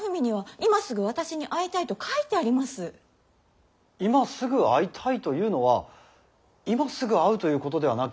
今すぐ会いたいというのは今すぐ会うということではなく。